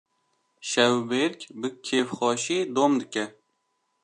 Şevbêrk bi kêfxweşî dom dike.